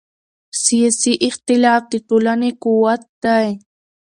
سیاسي اختلاف د ټولنې قوت دی